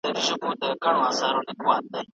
څه ډول بیمې د کارګرانو لپاره اړینې دي؟